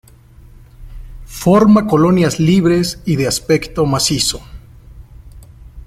Forma colonias libres y de aspecto macizo.